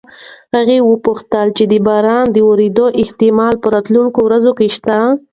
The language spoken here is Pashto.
هغه وپوښتل چې د باران د ورېدو احتمال په راتلونکو ورځو کې شته؟